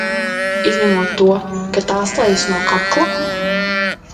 Izņemot to, ka tā slejas no kakla?